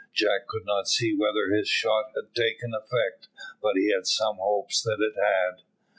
Jack could not see whether his shot had taken effect, but he had some hopes that it had.